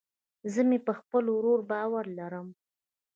زه مې په خپل ورور باور لرم